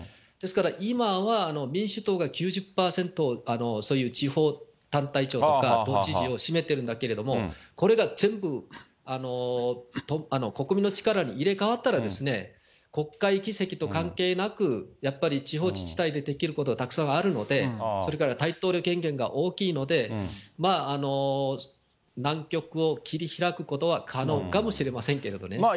ですから今は、民主党が９０％、地方団体長とか知事を占めてるんだけど、これが国民の力に入れ代わったら、国会議席と関係なくやっぱり地方自治体でできることがたくさんあるので、それから大統領の権限が大きいので、難局を切り開くことは可能かもしれませんけどもね。